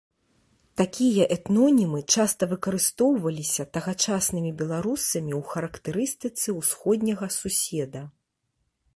Такія этнонімы часта выкарыстоўваліся тагачаснымі беларусамі ў характарыстыцы ўсходняга суседа.